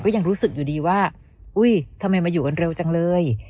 ยังรู้สึกอยู่ดีว่าอุ้ยทำไมมาอยู่กันเร็วจังเลย